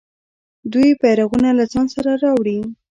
دوی بیرغونه له ځان سره راوړي.